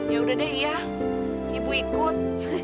ya udah deh ya ibu ikut